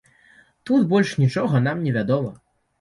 Тут больш нічога нам не вядома.